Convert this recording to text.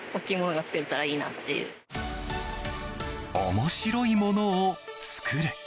面白いものを造れ。